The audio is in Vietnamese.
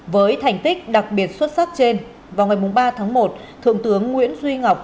với thành tích đặc biệt xuất sắc trên vào ngày ba tháng một thượng tướng nguyễn duy ngọc